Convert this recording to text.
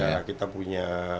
ya kita punya